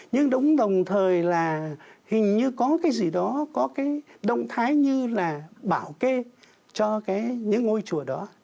nhưng đúng đồng thời là hình như có cái gì đó có cái động thái như là bảo kê cho cái những ngôi chùa đó